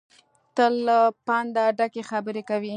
تل له پنده ډکې خبرې کوي.